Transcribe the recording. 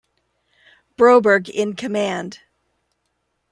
Broberg in command.